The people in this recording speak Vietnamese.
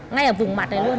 ngay ở vùng mặt đấy luôn